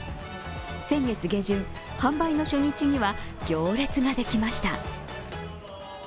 先月下旬、販売の初日には行列ができました。